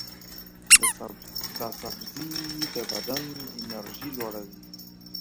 دا سبزی د بدن انرژي لوړوي.